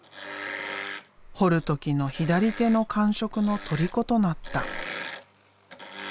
彫る時の左手の感触のとりことなった。